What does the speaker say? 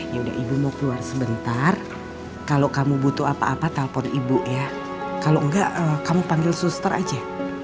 ya udah ibu mau keluar sebentar kalau kamu butuh apa apa telpon ibu ya kalau enggak kamu panggil suster aja